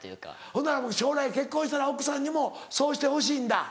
ほんなら将来結婚したら奥さんにもそうしてほしいんだ。